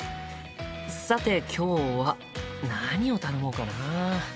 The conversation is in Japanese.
さて今日は何を頼もうかな？